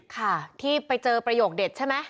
ค่ะที่ไปเจอประโยคเด็ดใช่ไหม